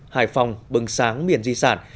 hải phòng bừng sáng miền di sản